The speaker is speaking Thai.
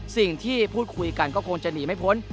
สิ่งที่พูดคุยกันก็คงจะหนีไม่พ้น